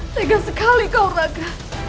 tega sekali kau raga